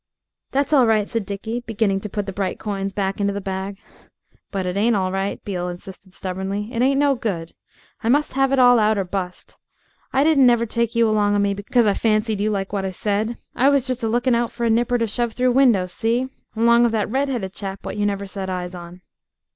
"That's all right," said Dickie, beginning to put the bright coins back into the bag. "But it ain't all right," Beale insisted stubbornly; "it ain't no good. I must 'ave it all out, or bust. I didn't never take you along of me 'cause I fancied you like what I said. I was just a looking out for a nipper to shove through windows see? along of that redheaded chap what you never set eyes on."